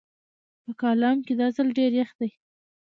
په کالام کې دا ځل ډېر يخ دی